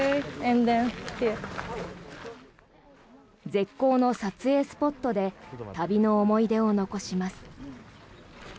絶好の撮影スポットで旅の思い出を残します。